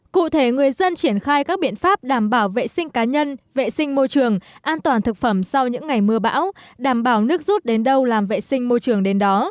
cụ thể người dân triển khai các biện pháp đảm bảo vệ sinh cá nhân vệ sinh môi trường an toàn thực phẩm sau những ngày mưa bão đảm bảo nước rút đến đâu làm vệ sinh môi trường đến đó